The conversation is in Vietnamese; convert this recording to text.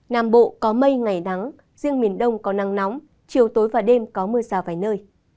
nam bộ có mây ngày nắng riêng miền đông có nắng nóng chiều tối và đêm có mưa rào vài nơi